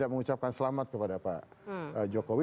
mengucapkan selamat kepada pak jokowi